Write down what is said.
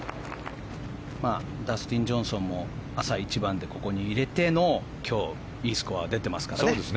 ダスティン・ジョンソンも朝一番で、ここに入れての今日、いいスコアが出てますからね。